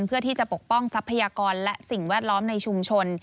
เพื่อที่จะปกป้องทรัพยากรและสิ่งแวดล้อมในชุมชน